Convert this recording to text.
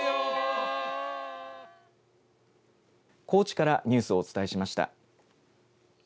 高知からニュースをお伝えしました。